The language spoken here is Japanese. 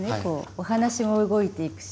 お話も動いていくし。